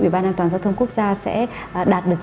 ủy ban an toàn giao thông quốc gia sẽ đạt được